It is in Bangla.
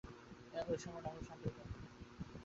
ঐ সঙ্গে নগরসঙ্কীর্তন প্রভৃতিরও বন্দোবস্ত কর।